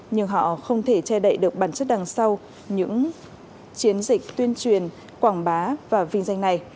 nhưng họ không thể che đậy được bản chất đằng sau những chiến dịch tuyên truyền quảng bá và vinh danh này